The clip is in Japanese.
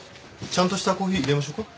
ちゃんとしたコーヒー淹れましょうか？